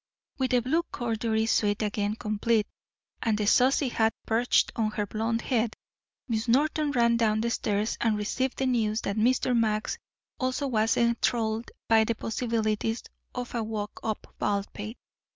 With the blue corduroy suit again complete, and the saucy hat perched on her blond head, Miss Norton ran down the stairs and received the news that Mr. Max also was enthralled by the possibilities of a walk up Baldpate.